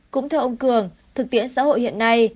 cũng theo ông cường thực tiễn xã hội hiện nay